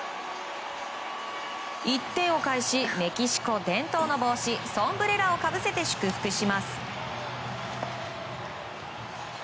１点を返しメキシコ伝統の帽子ソンブレラをかぶせて祝福します。